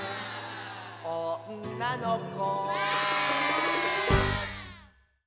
「おんなのこ」